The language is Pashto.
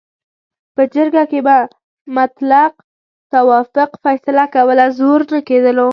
په جرګه کې به مطلق توافق فیصله کوله، زور نه کېدلو.